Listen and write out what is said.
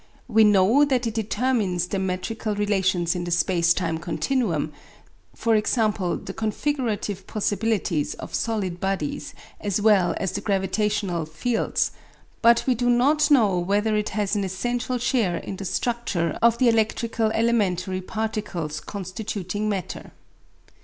We know that it determines the metrical relations in the space time continuum, e.g. the configurative possibilities of solid bodies as well as the gravitational fields; but we do not know whether it has an essential share in the structure of the electrical elementary particles constituting matter.